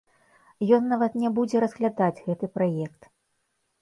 Ён нават не будзе разглядаць гэты праект.